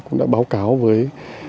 cũng đã báo cáo với